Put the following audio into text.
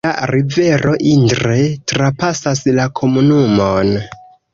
La rivero Indre trapasas la komunumon.